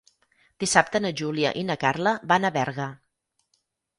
Dissabte na Júlia i na Carla van a Berga.